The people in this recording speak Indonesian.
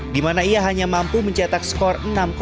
di mana ia hanya mampu mencetak skor enam satu